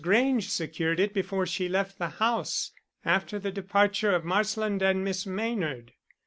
Grange secured it before she left the house, after the departure of Marsland and Miss Maynard."